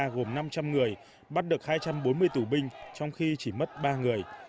gồm năm trăm linh người bắt được hai trăm bốn mươi tù binh trong khi chỉ mất ba người